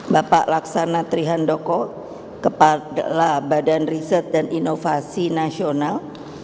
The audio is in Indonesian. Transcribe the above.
bapak laksana trihandoko kepala badan riset dan inovasi nasional